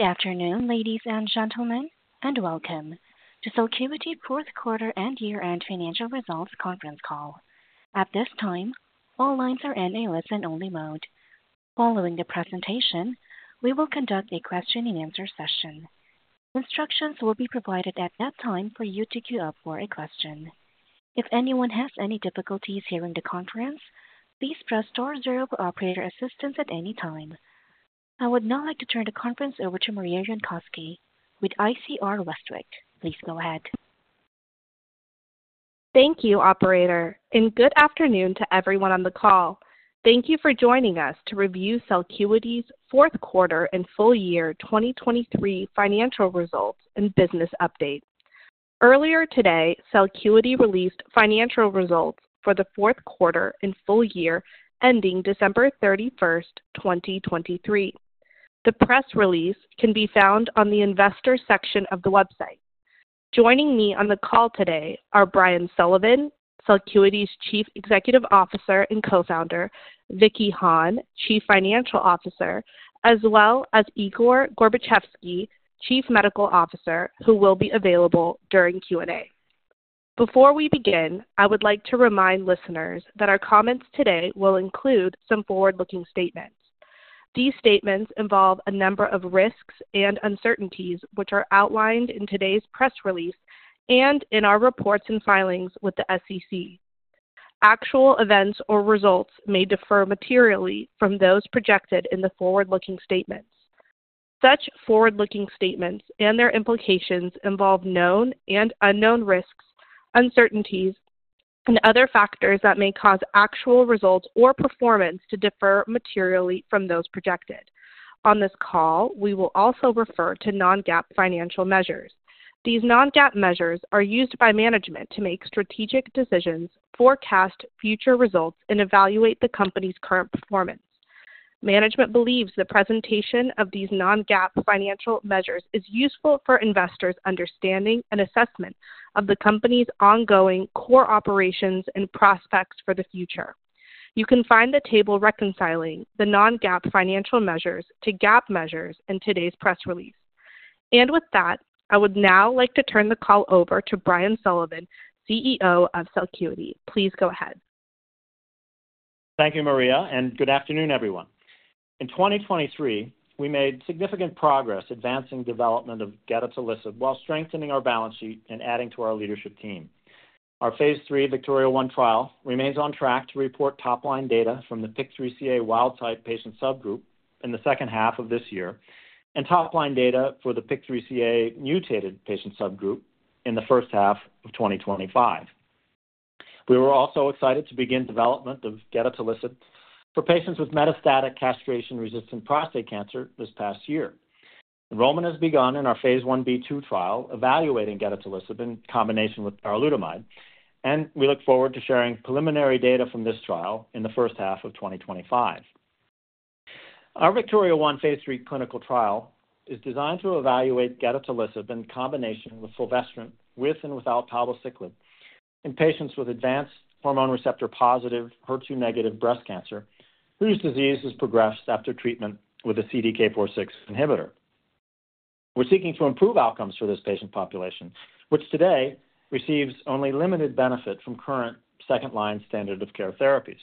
Good afternoon, ladies and gentlemen, and welcome to Celcuity Fourth Quarter and Year-End Financial Results Conference Call. At this time, all lines are in a listen-only mode. Following the presentation, we will conduct a question-and-answer session. Instructions will be provided at that time for you to queue up for a question. If anyone has any difficulties hearing the conference, please press Star Zero for operator assistance at any time. I would now like to turn the conference over to Maria Yonkoski with ICR Westwicke. Please go ahead. Thank you, operator, and good afternoon to everyone on the call. Thank you for joining us to review Celcuity's Fourth Quarter and Full Year 2023 Financial Results and Business Update. Earlier today, Celcuity released financial results for the Fourth Quarter and Full Year ending December 31st, 2023. The press release can be found on the Investor section of the website. Joining me on the call today are Brian Sullivan, Celcuity's Chief Executive Officer and Co-Founder; Vicky Hahne, Chief Financial Officer; as well as Igor Gorbatchevsky, Chief Medical Officer, who will be available during Q&A. Before we begin, I would like to remind listeners that our comments today will include some forward-looking statements. These statements involve a number of risks and uncertainties which are outlined in today's press release and in our reports and filings with the SEC. Actual events or results may differ materially from those projected in the forward-looking statements. Such forward-looking statements and their implications involve known and unknown risks, uncertainties, and other factors that may cause actual results or performance to differ materially from those projected. On this call, we will also refer to non-GAAP financial measures. These non-GAAP measures are used by management to make strategic decisions, forecast future results, and evaluate the company's current performance. Management believes the presentation of these non-GAAP financial measures is useful for investors' understanding and assessment of the company's ongoing core operations and prospects for the future. You can find the table reconciling the non-GAAP financial measures to GAAP measures in today's press release. And with that, I would now like to turn the call over to Brian Sullivan, CEO of Celcuity. Please go ahead. Thank you, Maria, and good afternoon, everyone. In 2023, we made significant progress advancing development of gedatolisib while strengthening our balance sheet and adding to our leadership team. Our phase III VIKTORIA-1 trial remains on track to report top-line data from the PIK3CA wild-type patient subgroup in the second half of this year and top-line data for the PIK3CA mutated patient subgroup in the first half of 2025. We were also excited to begin development of gedatolisib for patients with metastatic castration-resistant prostate cancer this past year. Enrollment has begun in our phase Ib/2 trial evaluating gedatolisib in combination with darolutamide, and we look forward to sharing preliminary data from this trial in the first half of 2025. Our VIKTORIA-1 phase III clinical trial is designed to evaluate gedatolisib in combination with fulvestrant with and without palbociclib in patients with advanced hormone receptor-positive, HER2-negative breast cancer whose disease has progressed after treatment with a CDK4/6 inhibitor. We're seeking to improve outcomes for this patient population, which today receives only limited benefit from current second-line standard-of-care therapies.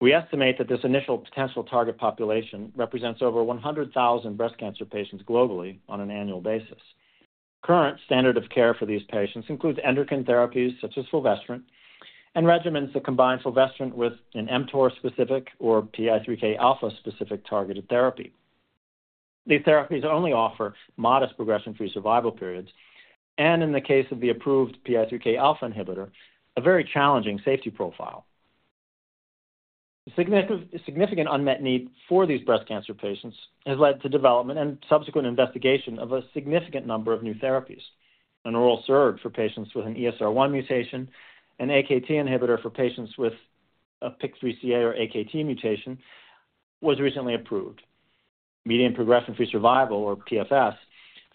We estimate that this initial potential target population represents over 100,000 breast cancer patients globally on an annual basis. Current standard-of-care for these patients includes endocrine therapies such as fulvestrant and regimens that combine fulvestrant with an mTOR-specific or PI3K-alpha-specific targeted therapy. These therapies only offer modest progression-free survival periods and, in the case of the approved PI3K-alpha inhibitor, a very challenging safety profile. A significant unmet need for these breast cancer patients has led to development and subsequent investigation of a significant number of new therapies. An oral SERD for patients with an ESR1 mutation, an AKT inhibitor for patients with a PIK3CA or AKT mutation, was recently approved. Median progression-free survival, or PFS,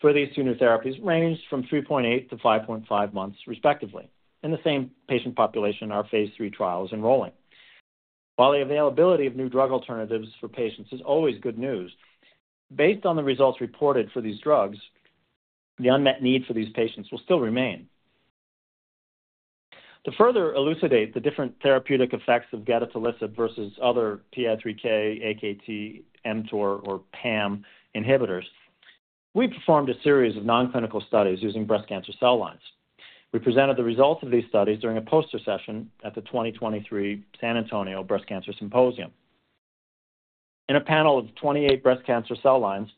for these two new therapies ranged from 3.8-5.5 months, respectively, in the same patient population our phase III trial is enrolling. While the availability of new drug alternatives for patients is always good news, based on the results reported for these drugs, the unmet need for these patients will still remain. To further elucidate the different therapeutic effects of gedatolisib versus other PI3K, AKT, mTOR, or PAM inhibitors, we performed a series of non-clinical studies using breast cancer cell lines. We presented the results of these studies during a poster session at the 2023 San Antonio Breast Cancer Symposium. In a panel of 28 breast cancer cell lines,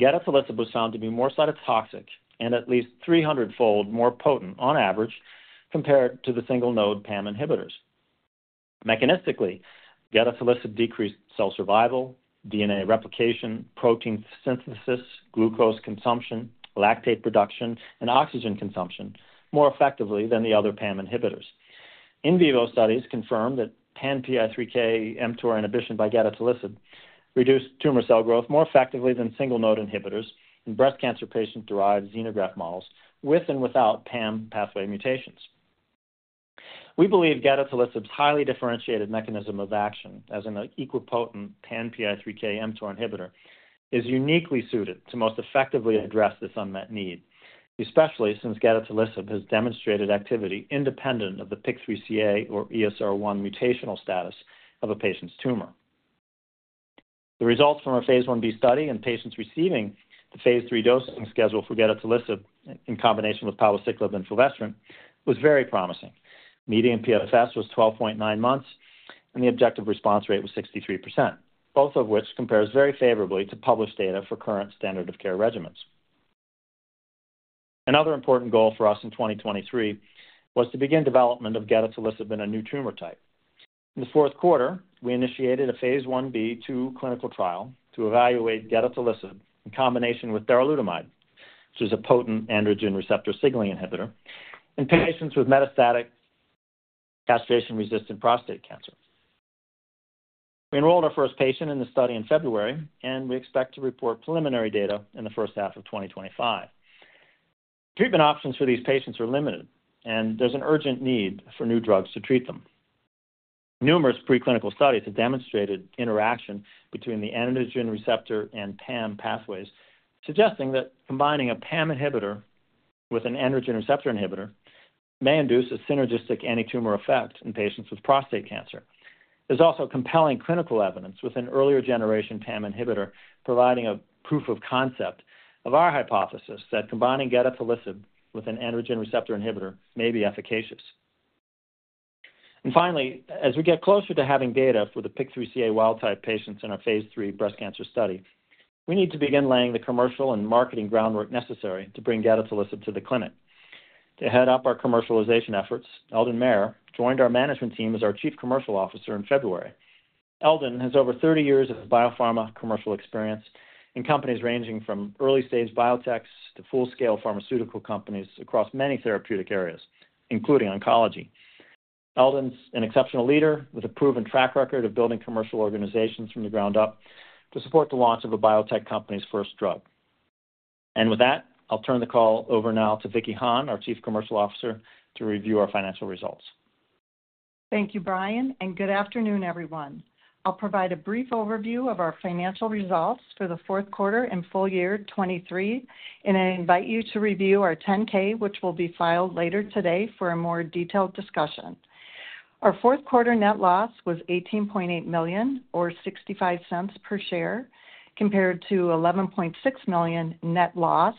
gedatolisib was found to be more cytotoxic and at least 300-fold more potent, on average, compared to the single-node PAM inhibitors. Mechanistically, gedatolisib decreased cell survival, DNA replication, protein synthesis, glucose consumption, lactate production, and oxygen consumption more effectively than the other PAM inhibitors. In vivo studies confirmed that pan-PI3K/mTOR inhibition by gedatolisib reduced tumor cell growth more effectively than single-node inhibitors in breast cancer patient-derived xenograft models with and without PAM pathway mutations. We believe gedatolisib's highly differentiated mechanism of action, as in the equipotent pan-PI3K/mTOR inhibitor, is uniquely suited to most effectively address this unmet need, especially since gedatolisib has demonstrated activity independent of the PIK3CA or ESR1 mutational status of a patient's tumor. The results from our phase Ib study in patients receiving the phase III dosing schedule for gedatolisib in combination with palbociclib and fulvestrant were very promising. Median PFS was 12.9 months, and the objective response rate was 63%, both of which compare very favorably to published data for current standard-of-care regimens. Another important goal for us in 2023 was to begin development of gedatolisib in a new tumor type. In the fourth quarter, we initiated a phase Ib/2 clinical trial to evaluate gedatolisib in combination with darolutamide, which is a potent androgen receptor signaling inhibitor, in patients with metastatic castration-resistant prostate cancer. We enrolled our first patient in the study in February, and we expect to report preliminary data in the first half of 2025. Treatment options for these patients are limited, and there's an urgent need for new drugs to treat them. Numerous preclinical studies have demonstrated interaction between the androgen receptor and PAM pathways, suggesting that combining a PAM inhibitor with an androgen receptor inhibitor may induce a synergistic antitumor effect in patients with prostate cancer. There's also compelling clinical evidence with an earlier generation PAM inhibitor providing a proof of concept of our hypothesis that combining gedatolisib with an androgen receptor inhibitor may be efficacious. And finally, as we get closer to having data for the PIK3CA wild-type patients in our phase III breast cancer study, we need to begin laying the commercial and marketing groundwork necessary to bring gedatolisib to the clinic. To head up our commercialization efforts, Eldon Mayer joined our management team as our Chief Commercial Officer in February. Eldon has over 30 years of biopharma commercial experience in companies ranging from early-stage biotechs to full-scale pharmaceutical companies across many therapeutic areas, including oncology. Eldon's an exceptional leader with a proven track record of building commercial organizations from the ground up to support the launch of a biotech company's first drug. With that, I'll turn the call over now to Vicky Hahne, our Chief Financial Officer, to review our financial results. Thank you, Brian, and good afternoon, everyone. I'll provide a brief overview of our financial results for the Fourth Quarter and Full Year 2023, and I invite you to review our 10-K, which will be filed later today for a more detailed discussion. Our Fourth Quarter net loss was $18.8 million or $0.65 per share, compared to $11.6 million net loss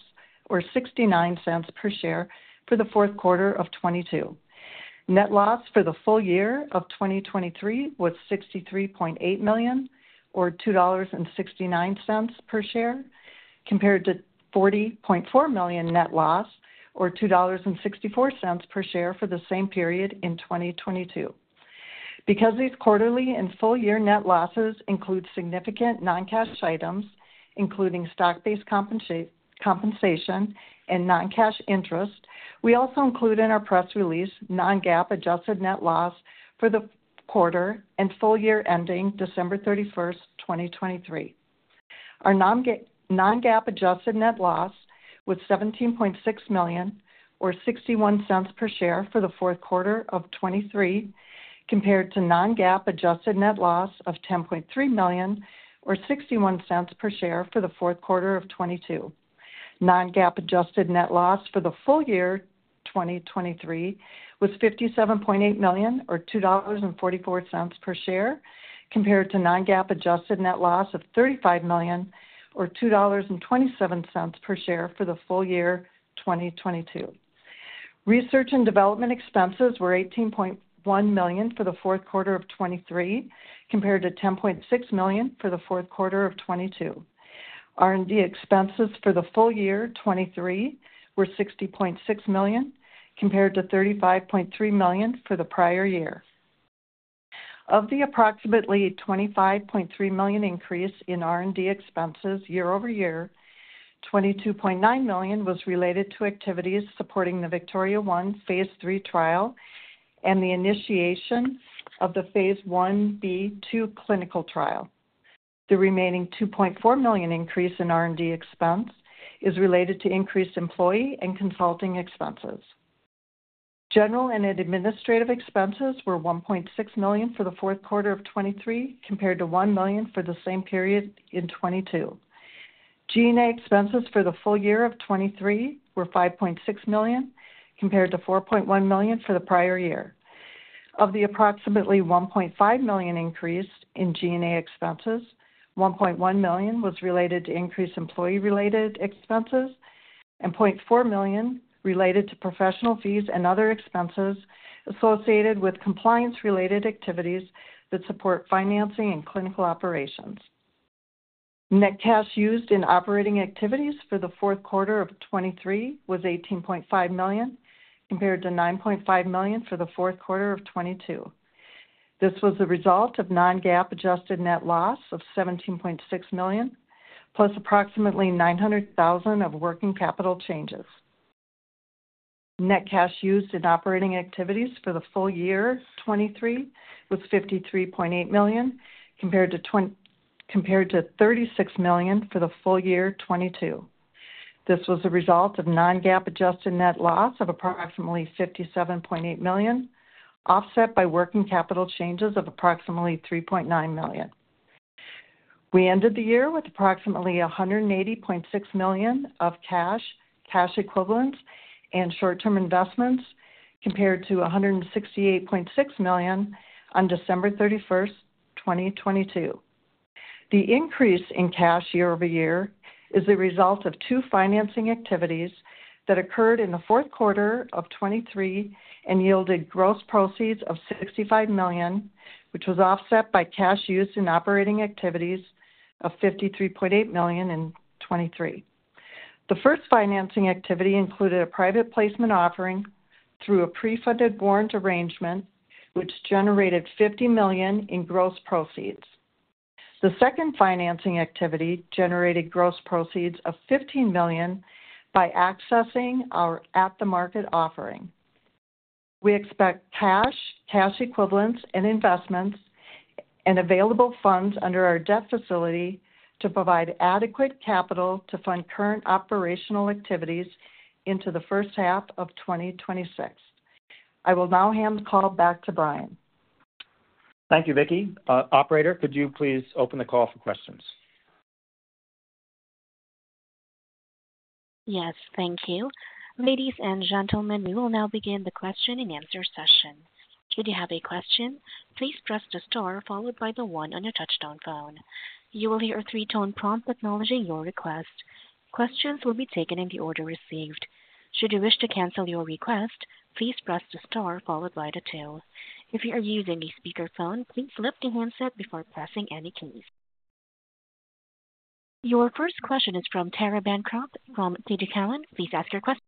or $0.69 per share for the Fourth Quarter of 2022. Net loss for the Full Year of 2023 was $63.8 million or $2.69 per share, compared to $40.4 million net loss or $2.64 per share for the same period in 2022. Because these quarterly and Full Year net losses include significant non-cash items, including stock-based compensation and non-cash interest, we also include in our press release non-GAAP adjusted net loss for the quarter and Full Year ending December 31st, 2023. Our non-GAAP adjusted net loss was $17.6 million or $0.61 per share for the fourth quarter of 2023, compared to non-GAAP adjusted net loss of $10.3 million or $0.61 per share for the fourth quarter of 2022. Non-GAAP adjusted net loss for the full year 2023 was $57.8 million or $2.44 per share, compared to non-GAAP adjusted net loss of $35 million or $2.27 per share for the full year 2022. Research and development expenses were $18.1 million for the fourth quarter of 2023, compared to $10.6 million for the fourth quarter of 2022. R&D expenses for the full year 2023 were $60.6 million, compared to $35.3 million for the prior year. Of the approximately $25.3 million increase in R&D expenses year-over-year, $22.9 million was related to activities supporting the VIKTORIA-1 phase III trial and the initiation of the phase Ib/2 clinical trial. The remaining $2.4 million increase in R&D expense is related to increased employee and consulting expenses. General and administrative expenses were $1.6 million for the fourth quarter of 2023, compared to $1 million for the same period in 2022. G&A expenses for the full year of 2023 were $5.6 million, compared to $4.1 million for the prior year. Of the approximately $1.5 million increase in G&A expenses, $1.1 million was related to increased employee-related expenses and $0.4 million related to professional fees and other expenses associated with compliance-related activities that support financing and clinical operations. Net cash used in operating activities for the fourth quarter of 2023 was $18.5 million, compared to $9.5 million for the fourth quarter of 2022. This was the result of non-GAAP adjusted net loss of $17.6 million, plus approximately $900,000 of working capital changes. Net cash used in operating activities for the full year 2023 was $53.8 million, compared to $36 million for the full year 2022. This was the result of non-GAAP adjusted net loss of approximately $57.8 million, offset by working capital changes of approximately $3.9 million. We ended the year with approximately $180.6 million of cash, cash equivalents, and short-term investments, compared to $168.6 million on December 31st, 2022. The increase in cash year-over-year is the result of 2 financing activities that occurred in the fourth quarter of 2023 and yielded gross proceeds of $65 million, which was offset by cash used in operating activities of $53.8 million in 2023. The first financing activity included a private placement offering through a pre-funded warrant arrangement, which generated $50 million in gross proceeds. The second financing activity generated gross proceeds of $15 million by accessing our at-the-market offering. We expect cash, cash equivalents, and investments, and available funds under our debt facility to provide adequate capital to fund current operational activities into the first half of 2026. I will now hand the call back to Brian. Thank you, Vicky. Operator, could you please open the call for questions? Yes, thank you. Ladies and gentlemen, we will now begin the question-and-answer session. Should you have a question, please press the star followed by the 1 on your touch-tone phone. You will hear a three-tone prompt acknowledging your request. Questions will be taken in the order received. Should you wish to cancel your request, please press the star followed by the two. If you are using a speakerphone, please lift your handset before pressing any keys. Your first question is from Tara Bancroft from TD Cowen. Please ask your question.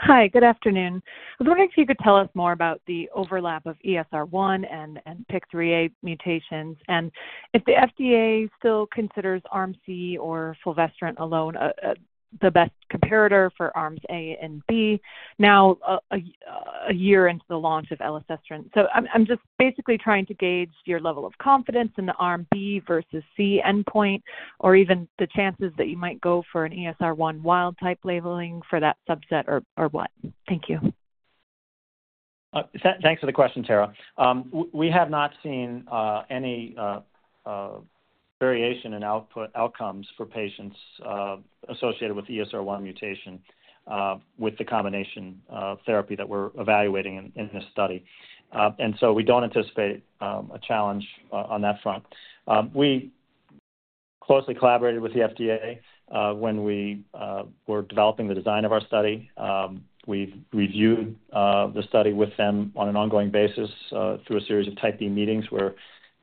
Hi, good afternoon. I was wondering if you could tell us more about the overlap of ESR1 and PIK3CA mutations, and if the FDA still considers Arm C or fulvestrant alone the best comparator for Arms A and B now a year into the launch of elacestrant. So I'm just basically trying to gauge your level of confidence in the Arm B versus C endpoint, or even the chances that you might go for an ESR1 wild-type labeling for that subset or what. Thank you. Thanks for the question, Tara. We have not seen any variation in outcomes for patients associated with ESR1 mutation with the combination therapy that we're evaluating in this study. And so we don't anticipate a challenge on that front. We closely collaborated with the FDA when we were developing the design of our study. We've reviewed the study with them on an ongoing basis through a series of Type B meetings where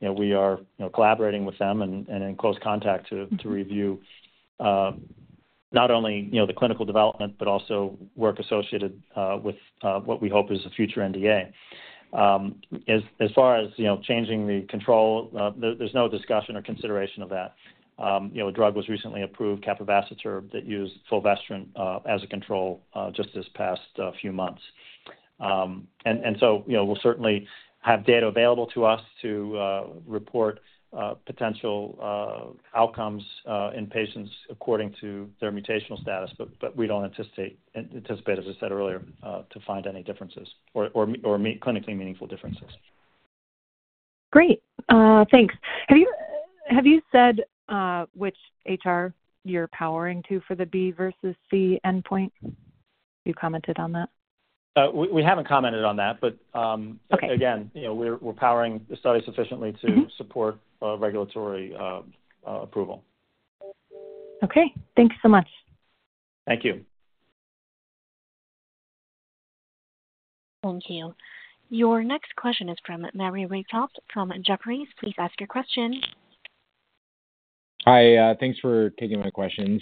we are collaborating with them and in close contact to review not only the clinical development but also work associated with what we hope is the future NDA. As far as changing the control, there's no discussion or consideration of that. A drug was recently approved, capivasertib, that used fulvestrant as a control just this past few months. And so we'll certainly have data available to us to report potential outcomes in patients according to their mutational status, but we don't anticipate, as I said earlier, to find any differences or meet clinically meaningful differences. Great. Thanks. Have you said which HR you're powering to for the B versus C endpoint? You commented on that. We haven't commented on that. But again, we're powering the study sufficiently to support regulatory approval. Okay. Thanks so much. Thank you. Thank you. Your next question is from Maury Raycroft from Jefferies. Please ask your question. Hi. Thanks for taking my questions.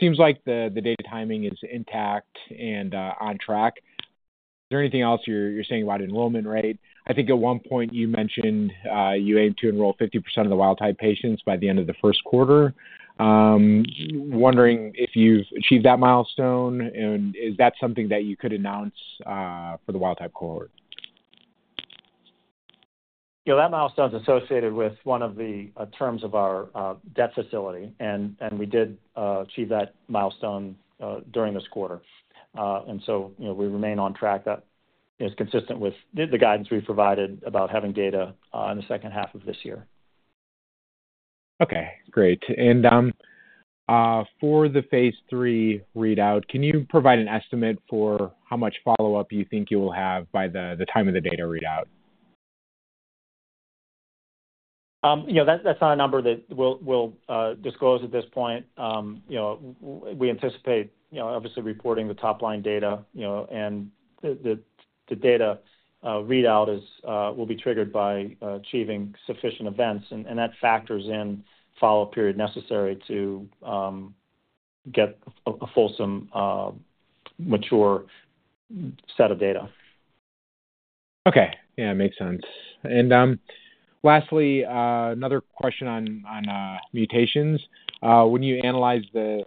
Seems like the data timing is intact and on track. Is there anything else you're saying about enrollment rate? I think at one point you mentioned you aim to enroll 50% of the wild-type patients by the end of the first quarter. Wondering if you've achieved that milestone, and is that something that you could announce for the wild-type cohort? That milestone is associated with one of the terms of our debt facility, and we did achieve that milestone during this quarter. And so we remain on track. That is consistent with the guidance we provided about having data in the second half of this year. Okay. Great. For the phase III readout, can you provide an estimate for how much follow-up you think you will have by the time of the data readout? That's not a number that we'll disclose at this point. We anticipate, obviously, reporting the top-line data, and the data readout will be triggered by achieving sufficient events, and that factors in follow-up period necessary to get a fulsome, mature set of data. Okay. Yeah, makes sense. Lastly, another question on mutations. When you analyze the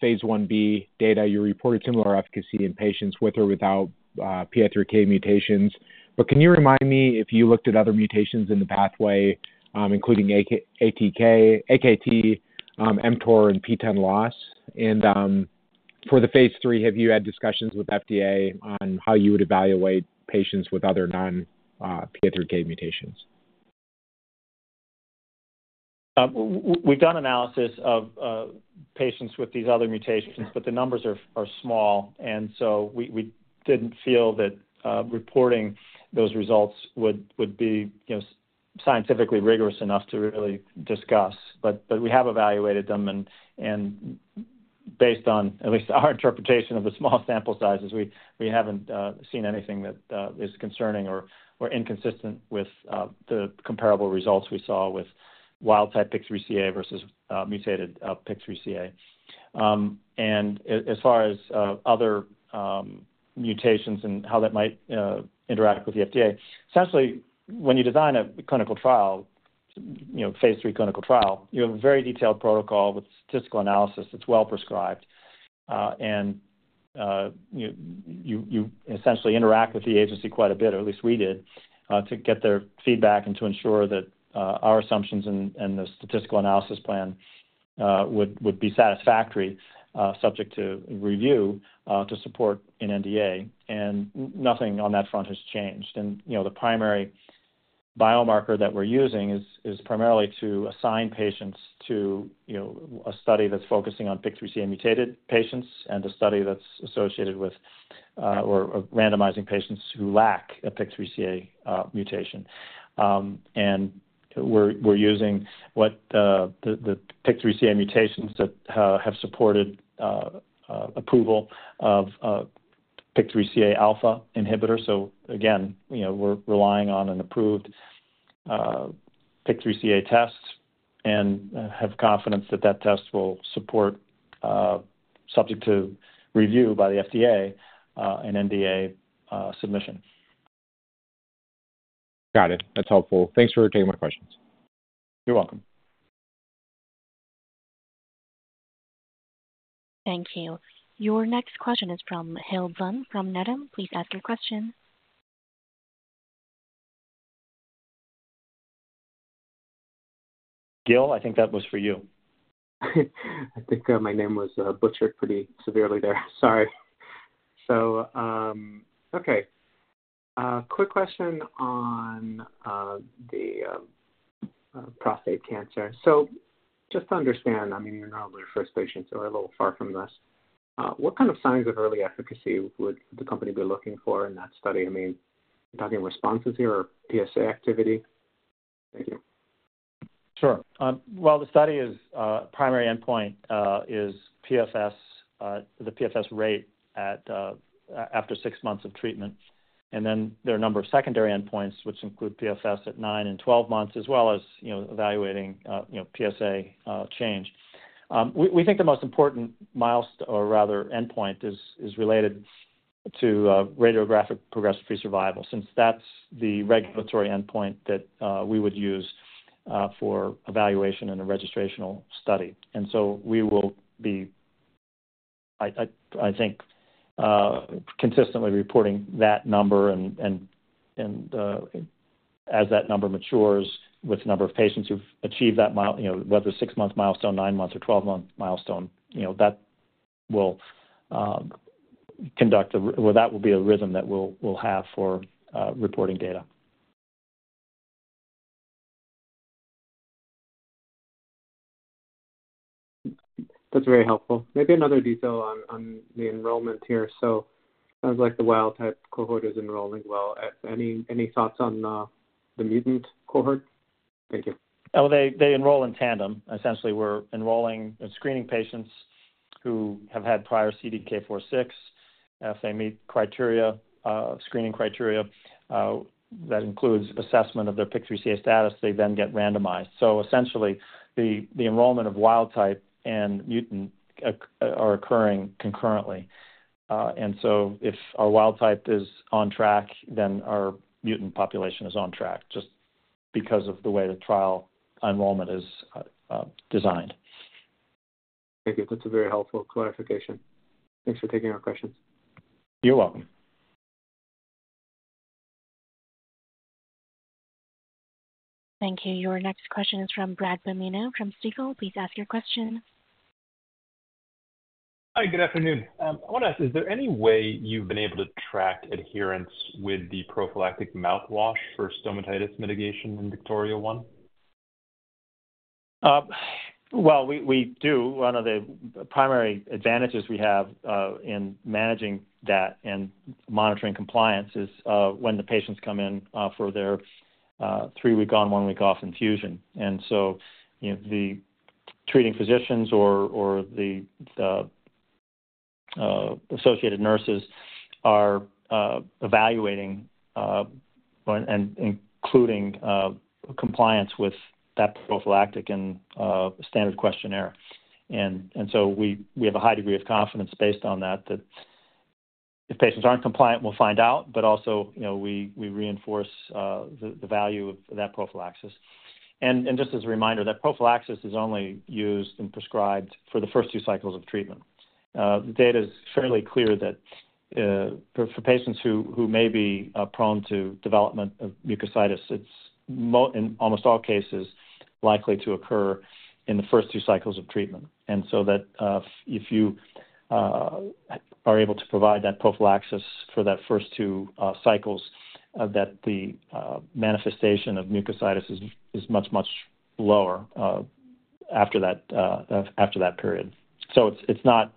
phase 1b data, you reported similar efficacy in patients with or without PI3K mutations. But can you remind me if you looked at other mutations in the pathway, including AKT, mTOR, and PTEN loss? And for the phase III, have you had discussions with the FDA on how you would evaluate patients with other non-PI3K mutations? We've done analysis of patients with these other mutations, but the numbers are small, and so we didn't feel that reporting those results would be scientifically rigorous enough to really discuss. But we have evaluated them, and based on at least our interpretation of the small sample sizes, we haven't seen anything that is concerning or inconsistent with the comparable results we saw with wild-type PIK3CA versus mutated PIK3CA. And as far as other mutations and how that might interact with the FDA, essentially, when you design a clinical trial, phase III clinical trial, you have a very detailed protocol with statistical analysis that's well prescribed. And you essentially interact with the agency quite a bit, or at least we did, to get their feedback and to ensure that our assumptions and the statistical analysis plan would be satisfactory, subject to review, to support an NDA. Nothing on that front has changed. The primary biomarker that we're using is primarily to assign patients to a study that's focusing on PIK3CA-mutated patients and a study that's associated with or randomizing patients who lack a PIK3CA mutation. We're using the PIK3CA mutations that have supported approval of PI3K-alpha inhibitor. Again, we're relying on an approved PIK3CA test and have confidence that that test will support, subject to review by the FDA, an NDA submission. Got it. That's helpful. Thanks for taking my questions. You're welcome. Thank you. Your next question is from Gil Blum from Needham. Please ask your question. Gil, I think that was for you. I think my name was butchered pretty severely there. Sorry. So, okay. Quick question on the prostate cancer. So, just to understand, I mean, you're not one of our first patients, so we're a little far from this. What kind of signs of early efficacy would the company be looking for in that study? I mean, are you talking responses here or PSA activity? Thank you. Sure. Well, the primary endpoint is the PFS rate after 6 months of treatment. Then there are a number of secondary endpoints, which include PFS at 9 and 12 months, as well as evaluating PSA change. We think the most important milestone, or rather endpoint, is related to radiographic progression-free survival, since that's the regulatory endpoint that we would use for evaluation in a registrational study. So we will be, I think, consistently reporting that number. And as that number matures with the number of patients who've achieved that, whether 6-month milestone, 9-month, or 12-month milestone, that will be a rhythm that we'll have for reporting data. That's very helpful. Maybe another detail on the enrollment here. So sounds like the wild-type cohort is enrolling well. Any thoughts on the mutant cohort? Thank you. Oh, they enroll in tandem. Essentially, we're enrolling and screening patients who have had prior CDK4/6. If they meet screening criteria that includes assessment of their PIK3CA status, they then get randomized. So essentially, the enrollment of wild-type and mutant are occurring concurrently. And so if our wild-type is on track, then our mutant population is on track just because of the way the trial enrollment is designed. Very good. That's a very helpful clarification. Thanks for taking our questions. You're welcome. Thank you. Your next question is from Bradley Canino from Stifel. Please ask your question. Hi. Good afternoon. I want to ask, is there any way you've been able to track adherence with the prophylactic mouthwash for stomatitis mitigation in VIKTORIA-1? Well, we do. One of the primary advantages we have in managing that and monitoring compliance is when the patients come in for their three-week-on, one-week-off infusion. And so the treating physicians or the associated nurses are evaluating and including compliance with that prophylactic and standard questionnaire. And so we have a high degree of confidence based on that, that if patients aren't compliant, we'll find out, but also we reinforce the value of that prophylaxis. Just as a reminder, that prophylaxis is only used and prescribed for the first two cycles of treatment. The data is fairly clear that for patients who may be prone to development of mucositis, it's in almost all cases likely to occur in the first two cycles of treatment. So that if you are able to provide that prophylaxis for that first two cycles, that the manifestation of mucositis is much, much lower after that period. So it's not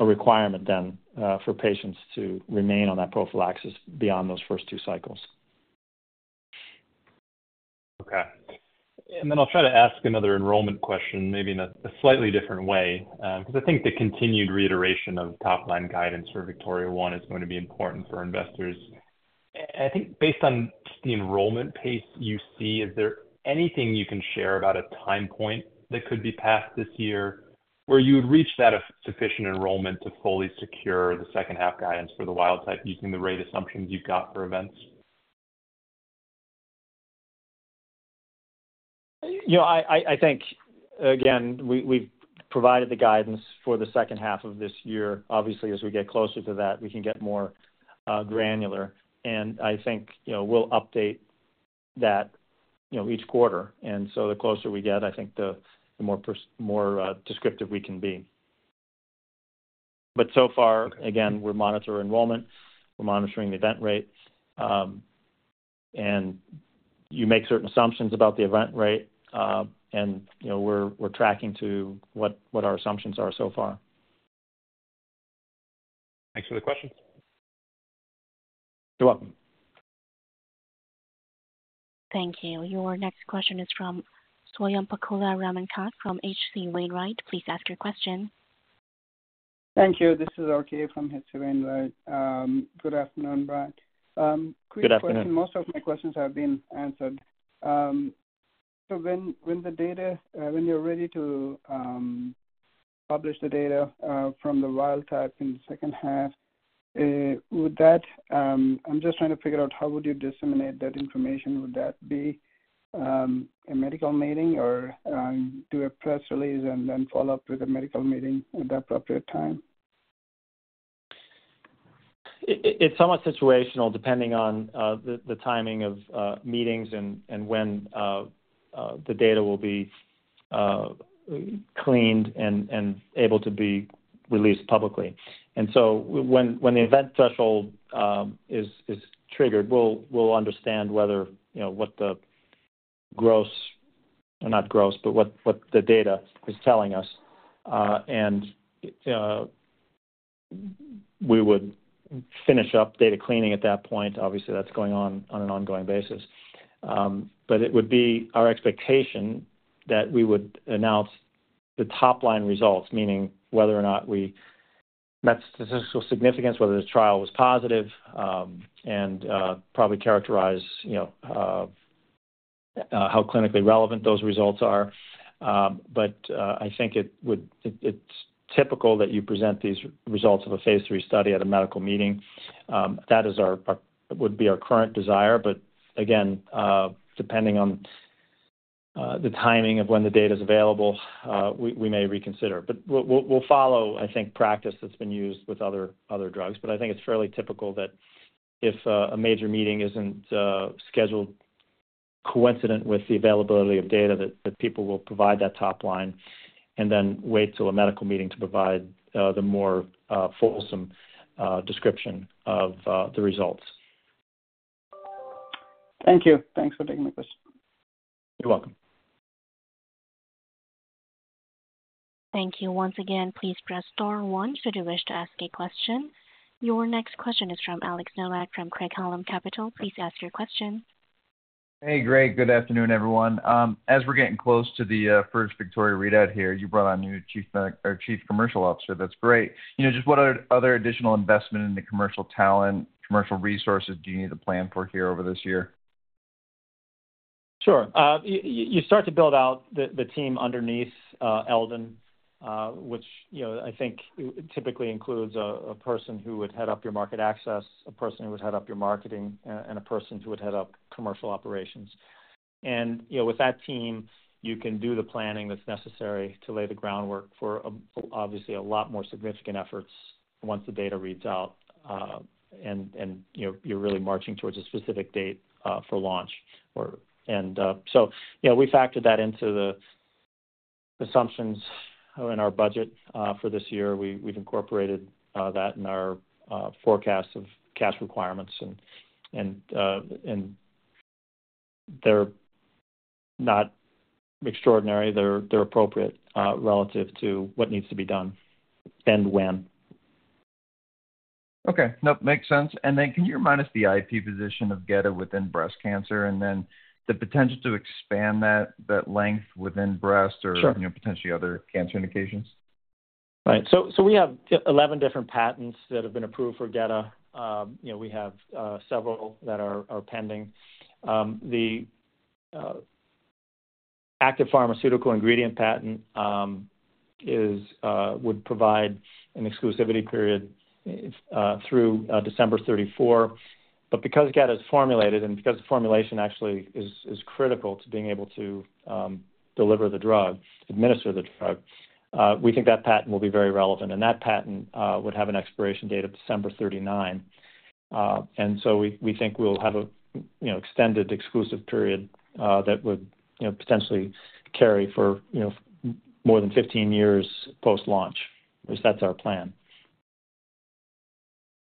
a requirement then for patients to remain on that prophylaxis beyond those first two cycles. Okay. And then I'll try to ask another enrollment question, maybe in a slightly different way, because I think the continued reiteration of top-line guidance for VIKTORIA-1 is going to be important for investors. And I think based on the enrollment pace you see, is there anything you can share about a time point that could be passed this year where you would reach that sufficient enrollment to fully secure the second-half guidance for the wild-type using the rate assumptions you've got for events? I think, again, we've provided the guidance for the second half of this year. Obviously, as we get closer to that, we can get more granular. I think we'll update that each quarter. And so the closer we get, I think the more descriptive we can be. But so far, again, we monitor enrollment. We're monitoring the event rate. You make certain assumptions about the event rate, and we're tracking to what our assumptions are so far. Thanks for the questions. You're welcome. Thank you. Your next question is from Swayampakula Ramakanth from H.C. Wainwright. Please ask your question. Thank you. This is RK from H.C. Wainwright. Good afternoon, Brad. Good afternoon. Quick question. Most of my questions have been answered. So when you're ready to publish the data from the Wildtype in the second half, I'm just trying to figure out how would you disseminate that information. Would that be a medical meeting, or do a press release and then follow up with a medical meeting at the appropriate time? It's somewhat situational depending on the timing of meetings and when the data will be cleaned and able to be released publicly. And so when the event threshold is triggered, we'll understand what the gross or not gross, but what the data is telling us. And we would finish up data cleaning at that point. Obviously, that's going on an ongoing basis. But it would be our expectation that we would announce the top-line results, meaning whether or not we met statistical significance, whether the trial was positive, and probably characterize how clinically relevant those results are. But I think it's typical that you present these results of a phase III study at a medical meeting. That would be our current desire. But again, depending on the timing of when the data is available, we may reconsider. But we'll follow, I think, practice that's been used with other drugs. I think it's fairly typical that if a major meeting isn't scheduled coincident with the availability of data, that people will provide that top-line and then wait till a medical meeting to provide the more fulsome description of the results. Thank you. Thanks for taking my question. You're welcome. Thank you. Once again, please press star one should you wish to ask a question. Your next question is from Alex Nowak from Craig-Hallum Capital. Please ask your question. Hey, Brian. Good afternoon, everyone. As we're getting close to the first VIKTORIA readout here, you brought on new Chief Commercial Officer. That's great. Just what other additional investment in the commercial talent, commercial resources do you need to plan for here over this year? Sure. You start to build out the team underneath Eldon, which I think typically includes a person who would head up your market access, a person who would head up your marketing, and a person who would head up commercial operations. And with that team, you can do the planning that's necessary to lay the groundwork for, obviously, a lot more significant efforts once the data reads out and you're really marching towards a specific date for launch. And so we factored that into the assumptions in our budget for this year. We've incorporated that in our forecast of cash requirements. And they're not extraordinary. They're appropriate relative to what needs to be done and when. Okay. Nope. Makes sense. Then can you remind us the IP position of gedatolisib within breast cancer and then the potential to expand that length within breast or potentially other cancer indications? Right. So we have 11 different patents that have been approved for gedatolisib. We have several that are pending. The active pharmaceutical ingredient patent would provide an exclusivity period through December 2034. But because gedatolisib is formulated and because the formulation actually is critical to being able to deliver the drug, administer the drug, we think that patent will be very relevant. And that patent would have an expiration date of December 2039. And so we think we'll have an extended exclusive period that would potentially carry for more than 15 years post-launch, at least that's our plan.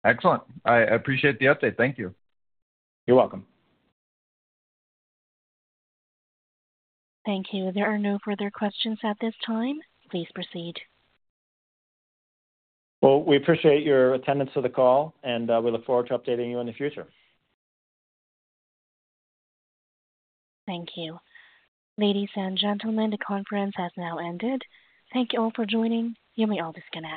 Excellent. I appreciate the update. Thank you. You're welcome. Thank you. There are no further questions at this time. Please proceed. Well, we appreciate your attendance to the call, and we look forward to updating you in the future. Thank you. Ladies and gentlemen, the conference has now ended. Thank you all for joining. You may always connect.